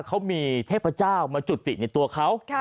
เขามีเทพเจ้ามาจุติในตัวเขา